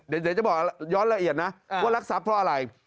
เดี๋ยวจะบอกย้อนละเอียดนะว่ารักทรัพย์เพราะอะไร